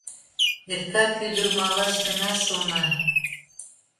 Эртак ӱдыр малаш гына шона.